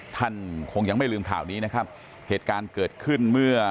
ท่านคงยังไม่ลืมข่าวนี้นะครับเหตุการณ์เกิดขึ้นเมื่อ